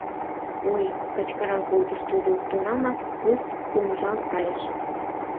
"Ой!" - кычкырал колтыш тудо, тунамак пурт помыжалт кайыш.